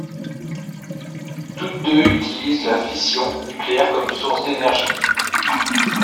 Toutes deux utilisent la fission nucléaire comme source d'énergie.